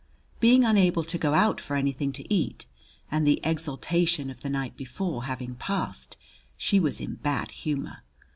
Being unable to go out for anything to eat and the exaltation of the night before having passed, she was in a bad humor.